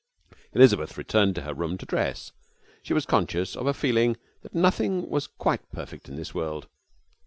Elizabeth returned to her room to dress. She was conscious of a feeling that nothing was quite perfect in this world.